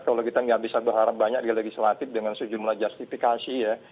kalau kita nggak bisa berharap banyak di legislatif dengan sejumlah justifikasi ya